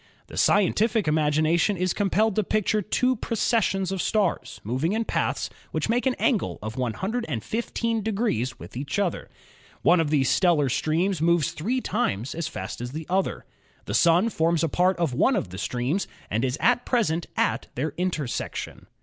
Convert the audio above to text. The scientific imagination is compelled to picture two processions of stars moving in paths which make an angle of 115 degrees with each other. One of these stellar streams moves three times as fast as the other. The Sun forms a part of one of the streams and is at present at their intersection.